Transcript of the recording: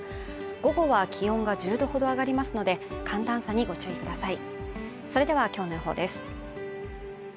午後は気温が１０度ほど上がりますので寒暖差に、ご注意ください